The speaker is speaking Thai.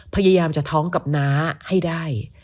พยายามจะท้องกับน้าให้ได้